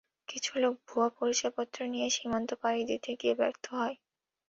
কিছু লোক ভুয়া পরিচয়পত্র নিয়ে সীমান্ত পাড়ি দিতে গিয়ে ব্যর্থ হয়।